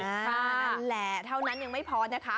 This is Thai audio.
นั่นแหละเท่านั้นยังไม่พอนะคะ